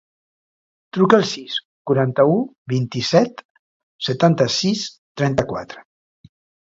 Truca al sis, quaranta-u, vint-i-set, setanta-sis, trenta-quatre.